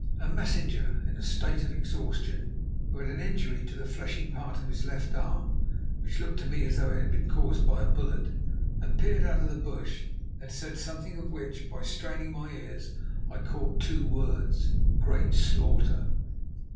A messenger in a state of exhaustion, who had an injury to the fleshy part of his left arm, which looked to me as though it had been caused by a bullet, appeared out of the bush and said something of which, by straining my ears, I caught two words—"Great slaughter."